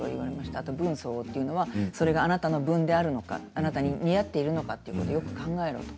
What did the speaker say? あと分相応というのはそれがあなたの分なのか、あなたに見合っているのかということをよく考えろと。